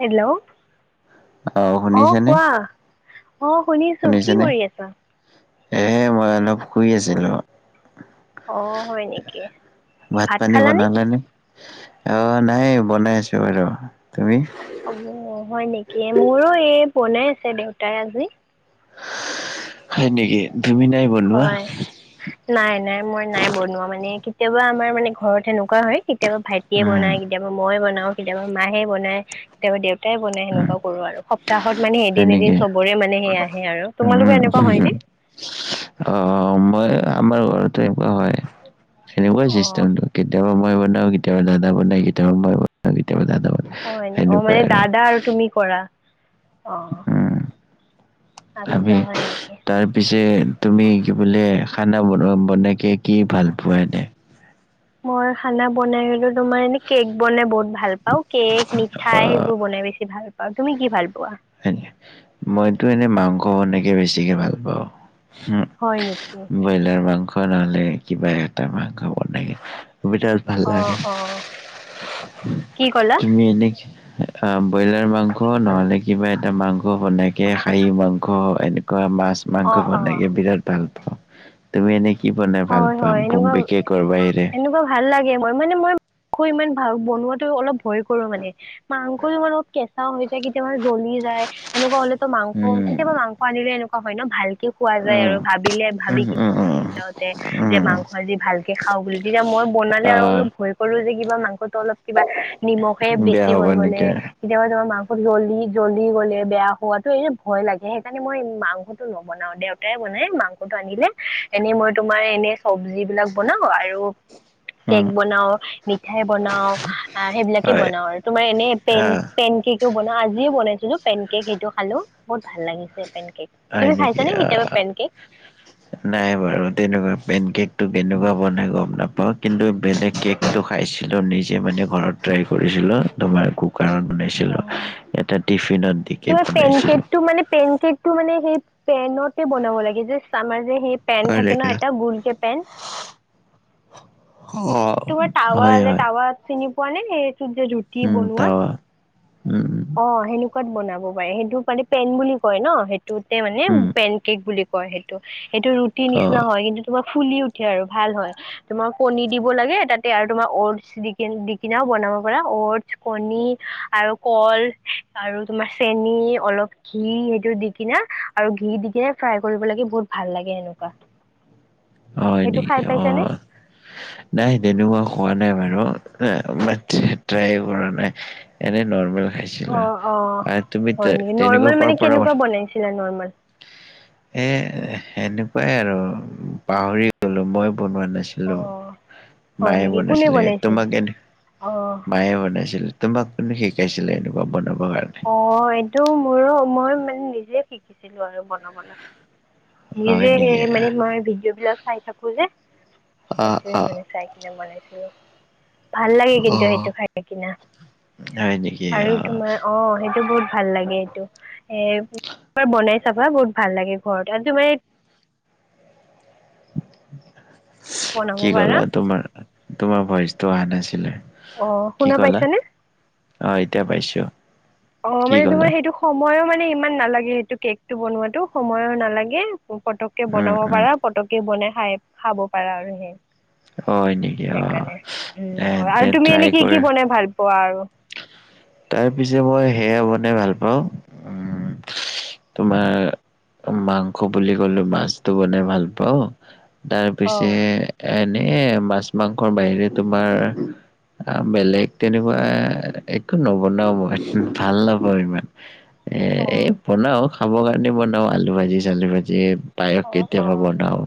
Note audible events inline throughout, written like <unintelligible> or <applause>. Hello. অ', কোৱা, অ', শুনিছোঁ, কি শুনিছেনে কৰি আছা? এ, মই অলপ শুই আছিলোঁ। অ হয় নেকি ভাত ভাত-পানী খালানে বনালা নে? অ', নাই, বনাই আছো বাৰু, তুমি? অ', হয় নেকি? মোৰো এই বনাই আছে দেউতাই আজি। হয় নেকি? তুমি নাই বনোৱা হয়, নাই, নাই, মই নাই বনোৱা, মানে কেতিয়াবা আমাৰ, মানে ঘৰত সেনেকুৱা হয় কেতিয়াবা ভাইটিয়ে উম বনায়, কেতিয়াবা মই বনাওঁ। কেতিয়াবা মায়ে বনায়, কেতিয়াবা দেউতাই বনায়, উম সেনেকুৱা কৰোঁ আৰু, স সপ্তাহত মানে হয় এদিন-এদিন নেকি চবৰে মানে, সেই আহে আৰু, তোমালোকৰ উম এনেকুৱা হয় নে? অ'। সময়, আমাৰ ঘৰতো এনেকুৱা হয় সেনেকুৱা অ চিষ্টেমটো, কেতিয়াবা মই বনাওঁ, কে কেতিয়াবা দাদা বনাই, কেতিয়াবা মই বনাওঁ, কেতিয়াবা দাদা বনাই। হয়, অ', মানে দাদা আৰু তুমি কৰা, অ'। উম আচ্ছা আমি, হয় নেকি তাৰপিছে তুমি, কি বোলে, খানা বনোৱা? বনাই কে, কি ভাল পোৱা এনে? মই খানা বনাই গ'লোঁ তোমাৰ, এনে কেক বনাই বহুত ভাল পাওঁ। কেক, মিঠাই সেইবোৰ বনাই বেছি ভাল পাওঁ। তুমি কি ভাল পোৱা? হয় নে? মইতো এনে মাংস বনাইকে বেছিকৈ ভাল পাওঁ হয় নেকি? ব্ৰইলাৰ মাংস নহ'লে কিবা এটা মাংস বনাই বিৰাট ভাল অ লাগে, অ কি ক'লা তুমি এনে কি খাই খাম, ব্ৰইলাৰ মাংস নহ'লে কিবা এটা মাংস বনাইকে, খাহি মাংস, এনেকুৱা মাছ মাংস অ অ বনাইকে বিৰাট ভাল পাওঁ। তুমি এনে কি বনাই ভাল হয় পোৱা? হয় এনেকুৱা <unintelligible> বাহিৰে এনেকুৱা ভাল লাগে। মই মানে, মই মাংস ইমান ভাল, বনোৱাতো অলপ ভয় কৰোঁ মানে মাংসটো অলপ কেঁচা হৈ যায়, কেতিয়াবা জ্বলি যায় এনেকোৱা হলেতো মাংস উম, কেতিয়াবা মাংস আনিলে এনেকোৱা হয় ন ভালকে খোৱা যায় উম, আৰু ভাবিলে ভাবি উম, উম, যে উম, যে উম। মাংস আজি ভালকে খাও বুলি তেতিয়া মই বনালে আৰু অ' অলপ ভয় কৰো যে কিবা মাংসটো অলপ কিবা নিমখে বেয়া বেছি হ'ব হৈ গলে নেকি? কেতিয়াবা তোমাৰ মাংসটো জ্বলি জ্বলি গ'লে বেয়া হোৱাতো এ ভয় লাগে সেইকাৰণে মই মাংসটো নবনাও দে দেউতাই বনাই মাংসটো আনিলে এনে মই তোমাৰ এনে চব্জি বিলাক বনাও আৰু উম, কেক বনাও মিঠাই বনাও আ সেইবিলাকে হয়, বনাও আৰু তোমাৰ এনে পেন অ' পেন কেকও বনাও আজিও বনাইছিলো পেন কেক সেইটো খালো বহুত ভাল লাগিছে পেন কেক হয় তুমি নেকি? খাইছানে কেতিয়াবা অ'। Pancake? নাই বাৰু তেনেকোৱা পেন কেকটো কেনেকোৱা বনাই গম নাপাও কিন্তু বেলেগ কেক টো খাইছিলো নিজে মানে ঘৰত ট্ৰাই কৰিছিলো তোমাৰ কো কাৰত বনাইছিলো অ এটা টিফিনত দিকে তোমাৰ পেন বনাইছিলো কেকটো মানে পেন কেকটো মানে সেই পেনতে বনাব লাগে জাষ্ট আমাৰ যে সেই পেন হয় থাকে ন নেকি এটা গোলকে পেন অ তোমাৰ টাৱা হয় যে হয় টাৱা চিনি পোৱা নে সেইটোতে দিও উম টাৱা উম উম অ সেনেকোৱাত বনাব পাৰে সেইটো মানে পেন বুলি কয় ন সেই টোতে মানে উম পেন কেক বুলি কয় সেইটো সেইটো ৰুটি অ নিচিনা হয় কিন্তু তোমাৰ ফুলি উঠে আৰু ভাল হয় তোমাৰ কণী দিব লাগে তাতে আৰু তোমাৰ অটছ দি দি দি কিনাও বনাব পৰা অটছ কণী আৰু কল আৰু তোমাৰ চেনী অলপ ঘি সেইটো দি কিনে আৰু ঘি দি কিনে ফ্ৰাই কৰিব লাগে বহুত ভাল লাগে এনেকোৱা <inaudible> হয় নেকি অ নাই তেনেকোৱা হোৱা নাই বাৰু এ বাত ট্ৰাই কৰা নাই এনে নৰ্মেল খাইছে অ অ এ তুমি হয় নেকি তেনেকোৱা নৰ্মেল কৰ মানে পৰা কেনেকুৱা মানুহ বনাইছিলা নৰ্মেল এ সেনেকোৱাই আৰু পাহৰি গলো মই বনোৱা নাছি লো অ হয় মায়ে নেকি কোনে বনাইছিলে তোমাক এনে অ মায়ে বনাইছিল তোমাক কোনো শিকাইছিলে এনেকোৱা বনাব কাৰণে? অ', এইটো মোৰো মই মানে নিজে শিকিছিলো আৰু বনাবলৈ। হয় নিজে নেকি সেই মানে মই ভিডিঅ' বিলাক চাই থাকো যে সেইটোৱে মানে। চাই কিনে বনাইছিলো। ভাল লাগে কিন্তু সেইটো খাই কিনা হয় নেকি আৰু অ তোমাৰ অ', সেইটো বহুত ভাল লাগে এইটো এ বনাই চাবা বহুত ভাল লাগে ঘৰত আজি মানে বনাব কি পাৰা কলা তোমাৰ তোমাৰ ভইচটো অহা নাছিলে অঁ কি শুনা কলা পাইছানে অহ এতিয়া পাইছো অ', কি মানে ক'লা তোমাৰ সেইটো সময়ো মানে ইমান নালাগে সেইটো কেক টো বনোৱাতো সময়ো নালাগে পতককে উম বনাব উম পাৰা পতককে বনাই খাই খাব পাৰা আৰু সেই অ হয় নেকি অ সেইকাৰণে এ উম হয় দে আৰু তুমি ট্ৰাই এনে কি কৰি কি বনাই ভাল পোৱা আৰু তাৰপিছে মই সেয়া বনাই ভাল পাও, উম <inaudible> তোমাৰ মাংস বুলি কলো মাছটো বনাই ভাল পাও। অ তাৰপিছে এনে মাছ মাংসৰ বাহিৰে তোমাৰ বেলেগ তেনেকুৱা এ এক নবনাও মই ভাল নাপাওঁ ইমান এ অ এই বনাও খাবৰ কাৰণে বনাও আলু ভাজি চালু ভাজি। পায়স অ অ কেতিয়াবা বনাও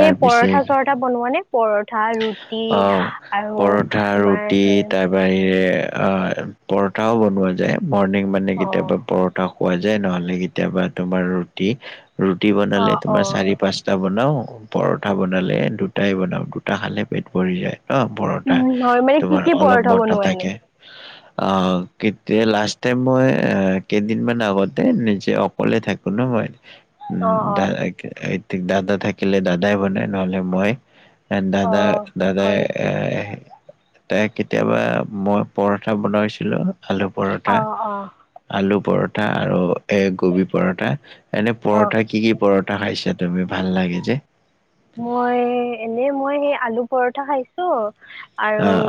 তাৰ পিছে পৰঠা চৰঠা বনোৱা নে পৰঠা, ৰুটি অ', আৰু পৰঠা, তোমাৰ ৰুটি সেই তাৰ বাহিৰে অ', পৰঠাও বনোৱা যায় মৰ্ণিং মানে অ কেতিয়াবা পৰঠা খোৱা যায় নহ'লে কেতিয়াবা তোমাৰ ৰুটি, ৰুটি অ বনালে অ তোমাৰ চাৰি পাঁচ বনাওঁ। পৰঠা বনালে দুটাই বনাওঁ, দুটা খালে পেট ভৰি যায়। অ', পৰঠা, উম হয় মানে কি তোমাৰ কি অলপ পৰঠা মৰটা বনোৱা থাকে। <inaudible> অ', কেতিয়া লাষ্ট টাইম মই কেইদিন মান আগতে নিজে অকলে থাকো ন মই। অ উম অ দাদা থাকিলে দাদাই বনাই নহ'লে মই এ, অ দাদা হয় দাদায়ে নেকি তাই কেতিয়াবা, মই পৰঠা বনাইছিলো আলু পৰঠা অ অ আলু পৰঠা আৰু এ কবি পৰঠা। এনে অ পৰঠা কি কি পৰ খাইছা তুমি ভাল লাগে যে? মই এনে মই সেই আলু পৰঠা খাইছো আৰু অ'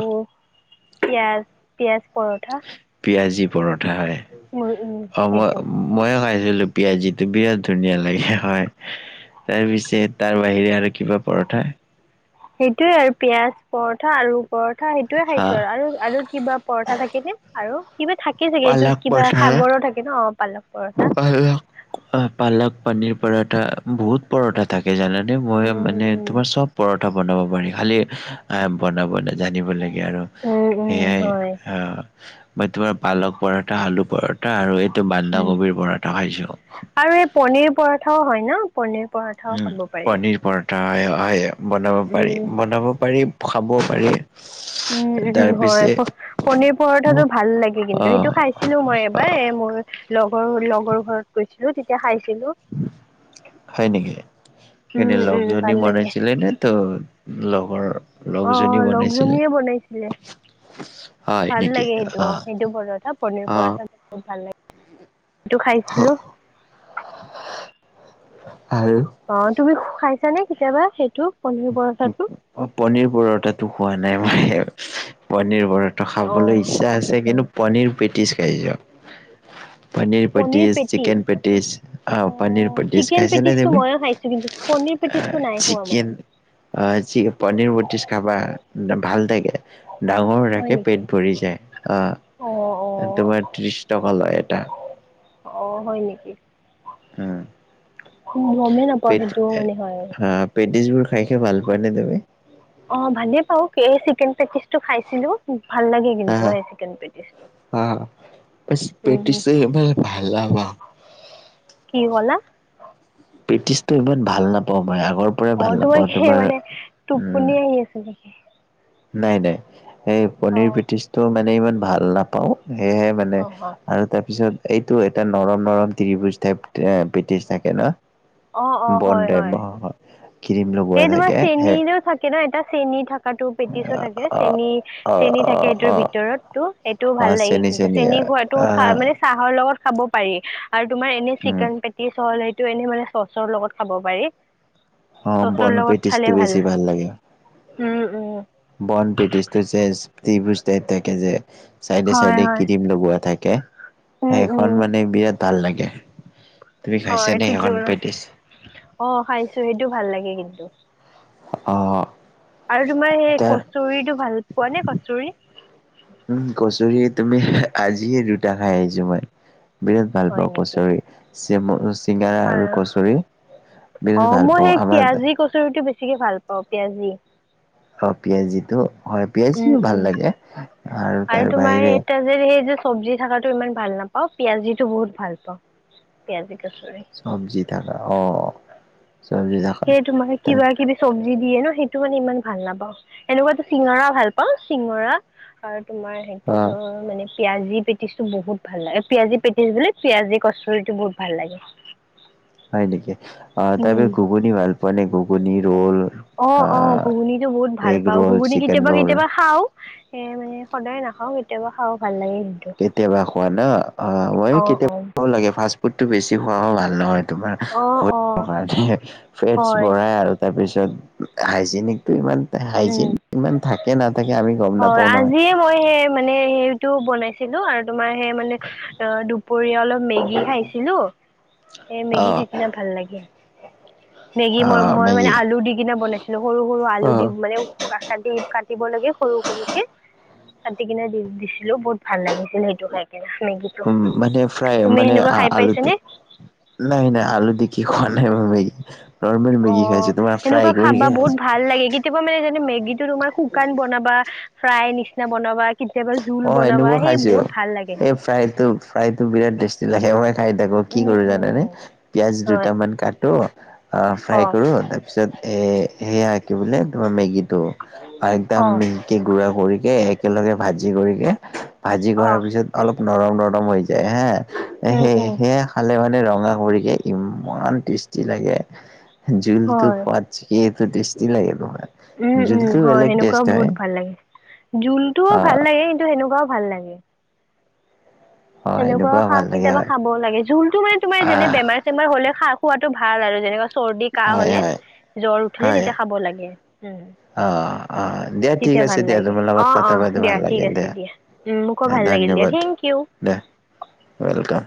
পিয়াজ-পিয়াজ পৰঠা। পিয়াজি পৰঠা হয়। উম উম অ', মই সেইটো ময়ো খাইছিলো পিয়াজিটো বিৰাট ধুনীয়া লাগে হয়। তাৰ পিছে তাৰ বাহিৰে আৰু কিবা পৰঠা সেইটোৱে আৰু পিয়াজ পৰঠা, আলু পৰঠা সেইটোয়ে হা খাইছো আৰু-আৰু কিবা পৰঠা থাকে নে? আৰু কিবা থাকে চাগে এইটো পালক কিবা সাগৰো থাকে ন পালক পৰঠা। পালাক, পানীৰ পৰঠা বহুত পৰঠা থাকে জানানে। এই ময়ো মানে মই মানে উম তোমাৰ চব পৰ পৰঠা বনাব পাৰি খালি বনাবলৈ জানিব লাগে আৰু। উম সেইয়াই হয় আহ মই তোমাৰ পালক পৰঠা, আলু পৰঠা আৰু এইটো বাদ গবীৰ পৰঠা খাইছোঁ। আৰু এই পনিৰ পৰঠাও হয় ন পনিৰ পৰঠাও খাব পাৰি। আহ বনাব পাৰি উম বনাব পাৰি খাবও পাৰি। উম, উম হয়। তাৰপিছে পনিৰ পৰঠাটো মোক ভাল লাগে কিন্তু সেইটো আহ খাইছিলো মই এবাৰ। আহ এই মোৰ লগৰ লগৰ ঘৰত গৈছিলো তেতিয়া খাইছিলো। হয় নেকি এনে উম উম লগজনী ভাল লাগে বনাইছিলে নে তো লগৰৰ অ', লগজনীয়ে বনাইছিলে। হয় ভাল নেকি? লাগে অ' সেইটো-সেইটো পৰঠা পনিৰ অ' পৰঠা। বহুত ভাল লাগে। সেইটো খাইছিলোঁ। আৰু অ', তুমি খাইছানে কেতিয়াবা সেইটো পনীৰ পৰঠাটো? অ', পনিৰ পৰঠাটো খোৱা নাই মই পনীৰ পৰ অ খাবলৈ ইচ্ছা আছে কিন্তু পনীৰ পেটিছ খাইছোঁ। <inaudible> Paneer patties, chicken patties. আহ, পনীৰ পটিছ খাইছা নাই তুমি? পনিৰ পেটিছটো নাই খোৱা মই। <unintelligible> পনিৰ পেটিচ খাবা, ভাল লাগে। ডাঙৰো হয় থাকে নেকি পেট ভৰি যায়, অ', তোমাৰ ত্ৰিশ টকা লয় এটা। অ', হয় নেকি? হম। গমেই নাপাওঁ, সেইটোও মানে হয়। পেটিছবোৰ খাই খাই ভাল পোৱানে তুমি? অ', ভালে পাও, এই চিকেন পেকিচটো খাইছিলো, ভাল লাগে কিন্তু সেই চিকেন পেটিচ। অহ, হম পেটিচেই মই ভাল <unintelligible> কি ক'লা? পেটিছটো ইমান ভাল নাপাওঁ মই, আগৰ পৰাই অ ভাল নাপাওঁ, কি তোমাৰ, মানে উম। <unintelligible> নাই নাই, এই অ পনিৰ পিটিচটো মানে ইমান ভাল নাপাওঁ, সেয়হে মানে অ অ আৰু তাৰপিছত এইটো এটা নৰম নৰম তিৰিভুজ টাইপ এ পেটজ থাকে ন। অ', অ', বন হয়, হয়। টাইপ, ক্ৰীম লগোৱা থাকে। কি না এটা চেনী থকাটো পেটিছো থাকে, অ চেনী অ চেনী থাকে সেইটোৰ অ ভিতৰতটো, সেইটোও অ ভাল লাগে চেনি কিন্তু, চেনি চেনী খোৱাটো খা আহ মানে চাহৰ লগত খাব পাৰি আৰু তুমাৰ এনে উম চিকেন পে <unintelligible> এইটো এনেই মানে চচৰ লগত খাব পাৰি। অ', চচৰ বন লগত খালে পেঠিছটো বেছি ভাল লাগে। উম উম। বন পেটিছটোযে ত্ৰিভুজ টাইপ থাকে যে। চাইডে হয়, চাইডে হয়। ক্ৰিম লগোৱা থাকে, উম, উম, সেইখন মানে বিৰাট ভাল লাগে, তুমি হয় খাইছানে ঠিকে সেইখন ওলা পেটিছ? অ', খাইছো, সেইটো ভাল লাগে কিন্তু। অ আৰু তোমাৰ সেই, তাৰ কচুৰিটো ভাল পোৱা নে? কচুৰি। উম, কচুৰি তুমি, আজিয়েই দুটা খাই আহিছোঁ মই। বিৰাট ভাল হয় পাওঁ নেকি? কচুৰি <unintelligible> হয়, বিৰাট অ', ভাল মই পাওঁ সেই আমাৰ পিয়াজি কচুৰিটো বেছিকে ভাল পাওঁ, পিয়াজি। অ', পিয়াজিটো? হয়, উম পিয়াজিও উম ভাল লাগে আৰু তাৰ তোমাৰ বাহিৰে এটা সেই যে চব্জি থাকটো ইমান ভাল নাপাও, পিয়াজিটো বহুত ভাল পাওঁ, পিয়াজি কচুৰি। চব্জি থাকা অ', চব্জি থাক সেই তোমাৰ এই কিবা কিবি চব্জি দিয়ে ন, সেইটো মানে ইমান ভাল নাপাও, এনেকুৱাতো চিঙৰা ভাল পাওঁ, চিঙৰা আৰু তোমাৰ অ সেইটোতো মানে পিয়াজি পেটিচটো বহুত ভাল লাগে, পিয়াজি পেটিছ বোলে, পিয়াজি কচুৰিটো বহুত ভাল লাগে। হয় নেকি? অ', উম তাৰপিছত ঘুগুনি ভাল পোৱা নে? ঘুগুনি, ৰোল। অ', অ', আহ ঘুগুনটো বহুত ভাল এগ পাও, ৰোল ঘুগুনি চিকেন কেতিয়াবা ৰোল কেতিয়াবা খাওঁ। সেয়ে সদায় নাখাওঁ, কেতিয়াবা খাওঁ, ভাল লাগে। কেতিয়াবা খোৱা ন? অ', ময়ো কেতিয়াবা <unintelligible> ফাষ্ট ফুডটো বেছি খোৱাও ভাল নহয় তোমাৰ। অ', বহুত অ', অপকাৰ, ফেটছ হয়। বঢ়াই আৰু তাৰপিছত হাইজেনিক ইমান হাইজিন, উম। ইমান থাকে নাথাকে আমি গম হয়, নাপাওঁ নহয়। আজিয়ে মই সেই মানে সেইটো বনাইছিলো আৰু তোমাৰ এই মানে দুপৰীয়া অলপ মেগী খাইছিলোঁ, এ অ মেগী খাই কিনে ভাল লাগে। মেগী অ মই, মই মানে মেগী আলু দি কিনে বনাইছিলো, সৰু সৰু অ আলু দি মানে পুৰা কাটি দিব লাগে সৰু সৰুকে। কাটি কিনে দি দিছিলো বহুত ভাল লাগিছিলে সেইটো খাই কিনে, মেগী। উ, মানে ফ্ৰাই মানে আ-আলুটো পাইছানে? নাই, নাই, আলু দি কি খোৱা নাই মই মেগি। নৰ্মেল মেগি অ', খাইছো তোমাৰ সেনেকুৱা ফ্ৰাই খাবা কৰিকে বহুত খাইচো। ভাল লাগে কেতিয়াবা মানে <unintelligible> মেগীটো তুমাৰ শুকান বনাবা, ফ্ৰাই নিচিনা বনাবা, কেতিয়াবা জোল অ', বনাবা এনেকুৱা সেই খাইছো। বহুত ভাল লাগে। এই ফ্ৰাইটো ফ্ৰাইটো বিৰাট টেষ্টি লাগে, মই খাই থাকো কি উম, কৰো উম, জানানে? পিয়াজ হয় দুটামান কাটো। অ', ফ্ৰাই অ', কৰোঁ তাৰপিছত এই সেয়া কি বোলে তোমাৰ মেগীটো একদম অ', মিহিকে গুৰা কৰিকে, একেলগে ভাজি কৰিকে, ভাজি কৰাৰ অ', পিছত অলপ নৰম নৰম হৈ যায় হে, উম, সে উম, সেয়া ভালে ভালে ৰঙা কৰিকে ইমান টেষ্টি লাগে। জোলটো হয় সোৱাদ <unintelligible> টেষ্টি লাগিব খাই। উ, উ, হয়। সেনেকুৱাও বহুত ভাল লাগে। জোলটোও অ ভাল লাগে, কিন্তু সেনেকুৱাও ভাল লাগে। অ সেনেকোৱা এনেকুৱা ভাল খাৰ লাগে কেতিয়াবা হয় খাব লাগে। জোলটো মানে তোমাৰ যেনে আহ বেমাৰ চেমাৰ হ'লে খাৰ খোৱাতো ভাল আৰু, যেনেকুৱা চৰ্দি কাঁ হয়, হ'লে, হয়, জ্বৰ উঠিলে, হয়। তেতিয়া খাব লাগে। উ। অ'। অ', দিয়া, ঠিক আছে দিয়া, লাগে তোমাৰ অ লগত অ কথা পাতি ভাল দিয়া ঠিক লাগিল আছে দিয়া। উম, মোকো ভাল লাগিল দিয়া ধন্যবাদ। থেংক ইউ দে, ওৱেলকাম।